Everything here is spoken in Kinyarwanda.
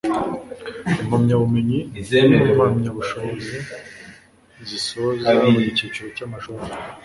impamyabumenyi n'impamyabushobozi zisoza buri cyiciro cy'amashuri